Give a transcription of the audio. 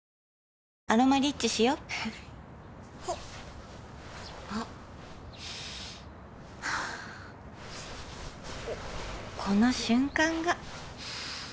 「アロマリッチ」しよこの瞬間が